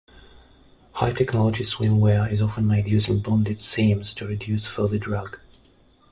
High-technology swimwear is often made using bonded seams, to reduce further drag.